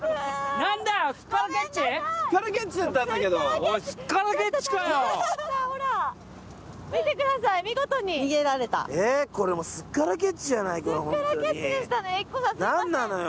何なのよ。